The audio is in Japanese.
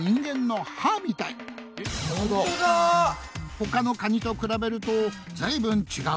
他のカニと比べるとずいぶん違うぞ。